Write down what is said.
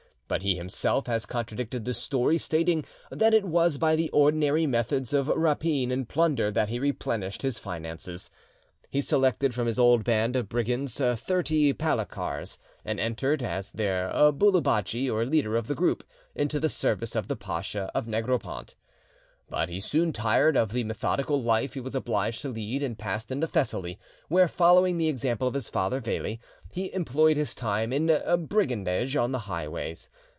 But he himself has contradicted this story, stating that it was by the ordinary methods of rapine and plunder that he replenished his finances. He selected from his old band of brigands thirty palikars, and entered, as their bouloubachi, or leader of the group, into the service of the Pacha of Negropont. But he soon tired of the methodical life he was obliged to lead, and passed into Thessaly, where, following the example of his father Veli, he employed his time in brigandage on the highways.